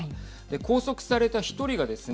拘束された１人がですね